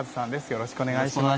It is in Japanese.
よろしくお願いします。